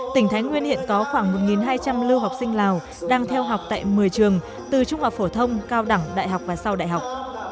tỉnh thái nguyên hiện có khoảng một hai trăm linh lưu học sinh lào đang theo học tại một mươi trường từ trung học phổ thông cao đẳng đại học và sau đại học